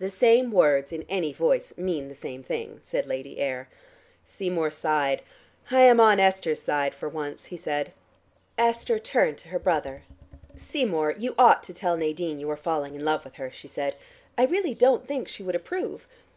"The same words in any voice mean the same thing," said Lady Ayr. Seymour sighed. "I am on Esther's side for once," he said. Esther turned to her brother. "Seymour, you ought to tell Nadine you are falling in love with her," she said. "I really don't think she would approve.